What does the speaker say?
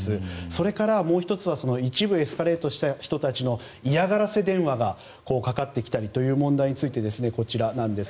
それからもう１つは一部エスカレートした人たちの嫌がらせ電話がかかってきたりという問題に関して、こちら。